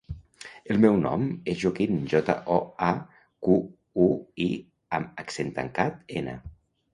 El meu nom és Joaquín: jota, o, a, cu, u, i amb accent tancat, ena.